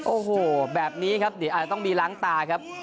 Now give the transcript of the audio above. โอ้โหแบบนี้ครับเดี๋ยวอาจจะต้องมีล้างตาครับ